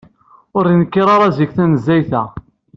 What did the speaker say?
Ur yenkir ara zik tanezzayt-a.